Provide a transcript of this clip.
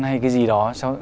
hay cái gì đó